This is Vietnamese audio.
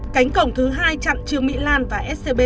cánh cổng thứ hai chặng trương mỹ lan và scb